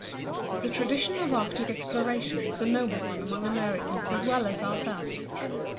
The tradition of Arctic exploration is a noble one among Americans as well as ourselves.